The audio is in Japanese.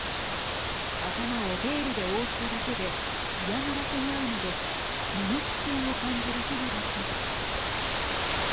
頭をベールで覆っただけで嫌がらせにあうなど身の危険を感じる日々だったといいます。